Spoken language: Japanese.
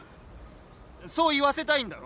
そう言わせたいんだろ？